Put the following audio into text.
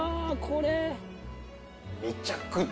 これ！